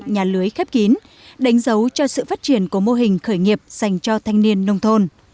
nhà lưới khép kín đánh dấu cho sự phát triển của mô hình khởi nghiệp dành cho thanh niên nông thôn